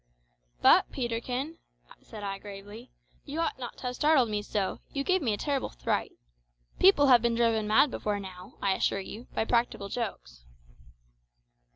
"But, Peterkin," said I gravely, "you ought not to have startled me so; you gave me a terrible fright. People have been driven mad before now, I assure you, by practical jokes."